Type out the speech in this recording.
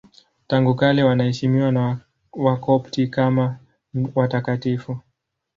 Tangu kale wanaheshimiwa na Wakopti kama watakatifu.